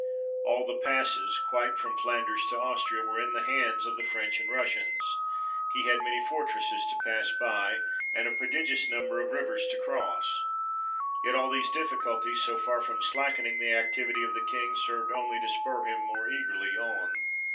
All the passes, quite from Flanders to Austria, were in the hands of the French and Russians : he had many fortresses to pass by ; and a prodigious number of rivers to cross. Yet all these difficulties so far from slackening the activity of the King, served only to spur him more eagerly on.